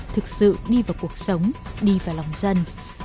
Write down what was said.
thực sự đi vào cuộc sống đi vào lòng dân